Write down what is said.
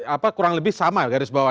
apa kurang lebih sama garis bawah